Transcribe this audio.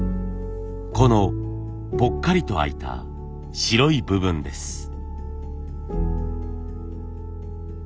このぽっかりと空いた白い部分です。